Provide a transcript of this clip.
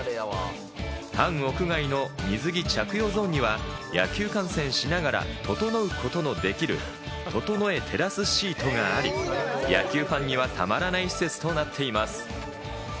半屋外の水着着用ゾーンには、野球観戦しながらととのうことのできる、ととのえテラスシートがあり、野球ファンにはたまらない施設となっています。